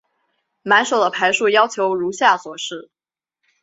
满手的牌数要求如下所示。